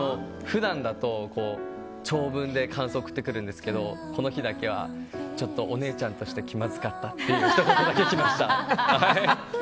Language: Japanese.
普段だと長文で感想を送ってくるんですけどこの日だけはちょっとお姉ちゃんとして気まずかったっていうひと言だけ来ました。